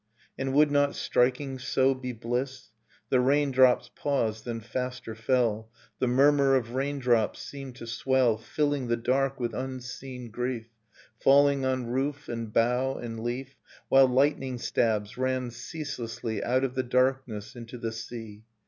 ... And would not striking so be bliss? ... The rain drops paused, then faster fell, The murmur of raindrops seemed to swell, Filling the dark with unseen grief. Falling on roof and bough and leaf; While lightning stabs ran ceaselessly Out of the darkness into the sea.